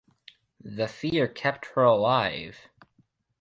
The fear kept her alive.